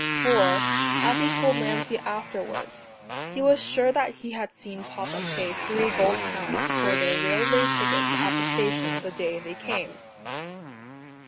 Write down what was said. For, as he told Lancey afterwards, he was sure he had seen Papa pay three gold pounds for their railway tickets at the station the day they came.